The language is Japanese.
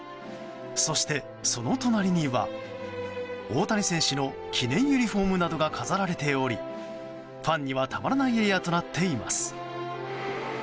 そして、その隣には大谷選手の記念ユニホームなどが飾られておりファンには、たまらないエリアとなっています。